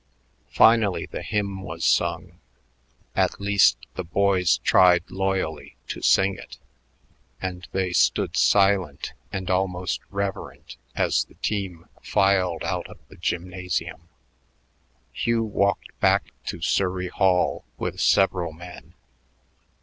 Finally the hymn was sung at least, the boys tried loyally to sing it and they stood silent and almost reverent as the team filed out of the gymnasium. Hugh walked back to Surrey Hall with several men.